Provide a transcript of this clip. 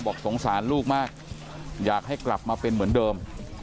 สงสารลูกมากอยากให้กลับมาเป็นเหมือนเดิม